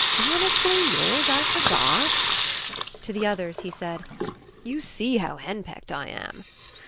"Honestly, Nig, I forgot." To the others he said: "You see how hen pecked I am."